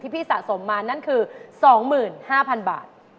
พี่สะสมมานั่นคือ๒๕๐๐๐บาท